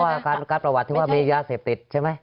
อาการประวัติที่ว่ามียาเสพติดใช่ไหม